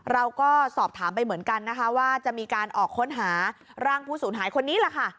เราก็สอบถามไปเหมือนกันนะคะว่าจะมีการออกค้นหาร่างผู้สูญหายคนนี้แหละค่ะ